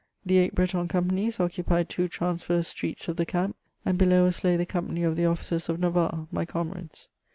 The eight Breton companies occupied two transverse streets of the camp, and below us hiy the company of the officers of Navarre^ my comrades.